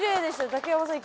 竹山さん